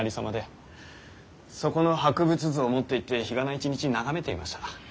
そこの博物図を持っていって日がな一日眺めていました。